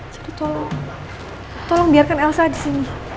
jadi tolong tolong biarkan elsa disini